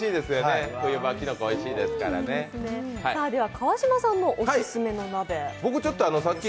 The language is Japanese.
川島さんのオススメの鍋。